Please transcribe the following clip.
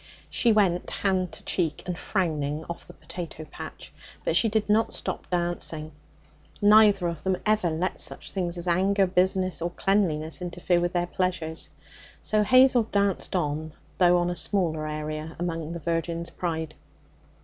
She went, hand to cheek, and frowning, off the potato patch. But she did not stop dancing. Neither of them ever let such things as anger, business, or cleanliness interfere with their pleasures. So Hazel danced on, though on a smaller area among the virgin's pride.